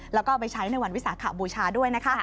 แล้วก็ไปใช้ในวันวิสาขบูชาด้วยนะคะ